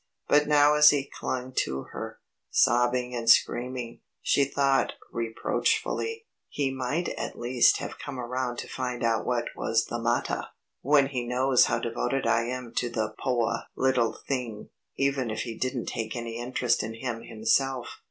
But now as he clung to her, sobbing and screaming, she thought reproachfully, "He might at least have come around to find out what was the mattah, when he knows how devoted I am to the poah little thing, even if he didn't take any interest in him himself.